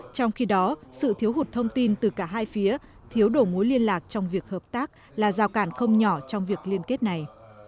trong khi đó sự thiếu hụt thông tin từ cả hai phía thiếu đổ mối liên lạc trong việc hợp tác là rào cản không nhỏ trong việc liên kết này